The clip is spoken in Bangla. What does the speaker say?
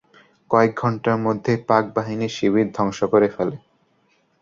কয়েক ঘণ্টার মধ্যেই পাক বাহিনীর শিবির ধ্বংস করে ফেলে।